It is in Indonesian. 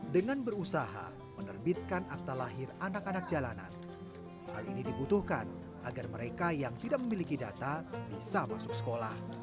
dengan berusaha menerbitkan akta lahir anak anak jalanan hal ini dibutuhkan agar mereka yang tidak memiliki data bisa masuk sekolah